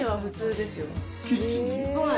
はい。